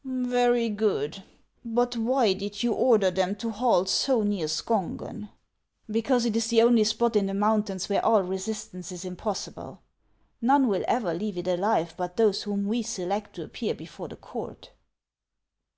" Very good ; but why did you order them to halt so near Skongen ?"" Because it is the only spot in the mountains where all resistance is impossible. None will ever leave it alive but those whom we select to appear before the court."